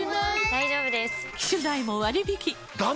大丈夫です！